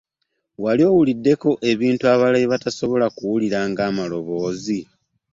Wali owuliddeko ebintu abalala bye batasobola kuwulira, ng’amaloboozi?